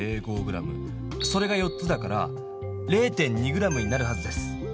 それが４つだから０．２ｇになるはずです。